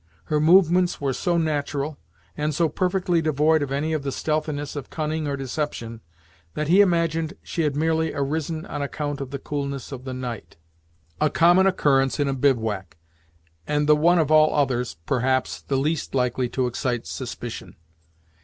Her movements were so natural, and so perfectly devoid of any of the stealthiness of cunning or deception, that he imagined she had merely arisen on account of the coolness of the night, a common occurrence in a bivouac, and the one of all others, perhaps, the least likely to excite suspicion.